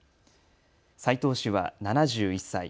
斉藤氏は７１歳。